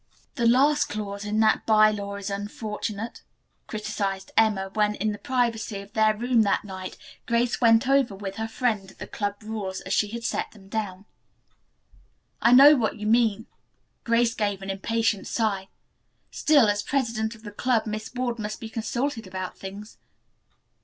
"The last clause in that by law is unfortunate," criticized Emma, when, in the privacy of their room that night, Grace went over with her friend the club rules as she had set them down. "I know what you mean." Grace gave an impatient sigh. "Still, as president of the club Miss Ward must be consulted about things.